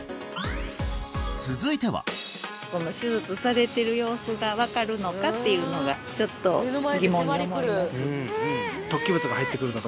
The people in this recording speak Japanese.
続いては手術されてる様子が分かるのかっていうのがちょっと疑問に思います